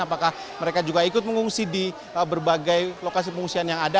apakah mereka juga ikut mengungsi di berbagai lokasi pengungsian yang ada